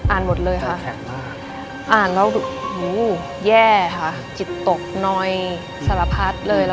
อ่านด้วยเหรอดูแข็งมากอ่านค่ะ